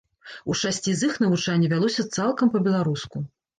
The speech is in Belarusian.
У шасці з іх навучанне вялося цалкам па-беларуску.